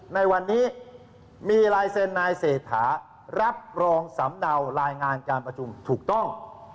ในวันนี้มีลายเซ็นนายเศรษฐารับรองสำเนารายงานการประชุมถูกต้อง